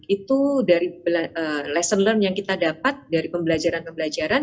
itu dari lesson learned yang kita dapat dari pembelajaran pembelajaran